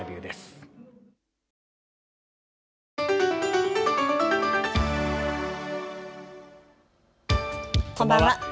こんばんは。